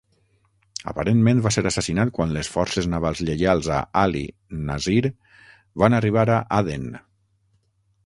Aparentment va ser assassinat quan les forces navals lleials a Ali Nasir van arribar a Aden.